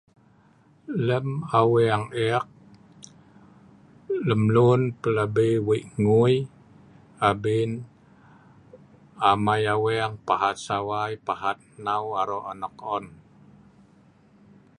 Lem aweng ek, lem lun plabi weik hnugui abin, amei aweng pahat sawai, pahat hneu arok anok on